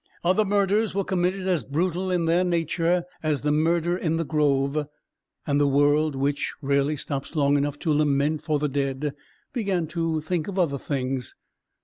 Other murders were committed as brutal in their nature as the murder in the grove; and the world, which rarely stops long to lament for the dead, began to think of other things.